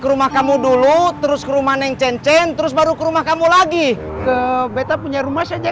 ke rumah kamu dulu terus ke rumah neng cenceng terus baru ke rumah kamu lagi ke beta punya rumah saja